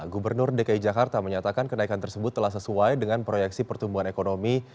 gubernur dki jakarta menyatakan kenaikan tersebut telah sesuai dengan proyeksi pertumbuhan ekonomi